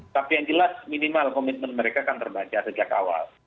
tapi yang jelas minimal komitmen mereka akan terbaca sejak awal